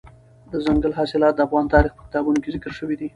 دځنګل حاصلات د افغان تاریخ په کتابونو کې ذکر شوی دي.